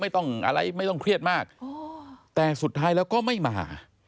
อะไรไม่ต้องเครียดมากแต่สุดท้ายแล้วก็ไม่มา